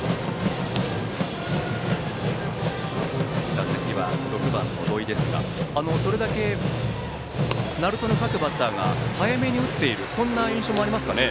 打席は６番の土肥ですがそれだけ鳴門の各バッターが早めに打っている印象もありますかね。